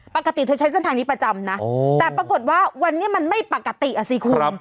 ปกติเธอใช้เส้นทางนี้ประจำนะแต่ปรากฏว่าวันนี้มันไม่ปกติอ่ะสิคุณ